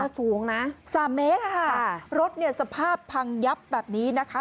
สูงนะ๓เมตรค่ะรถสภาพพังยับแบบนี้นะคะ